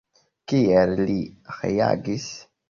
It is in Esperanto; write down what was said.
Kiel li reagis?